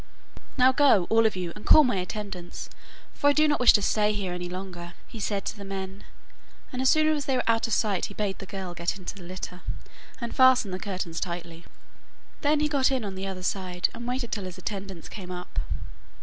'Now go, all of you, and call my attendants, for I do not wish to say here any longer,' he said to the men, and as soon as they were out of sight he bade the girl get into the litter, and fasten the curtains tightly. Then he got in on the other side, and waited till his attendants came up.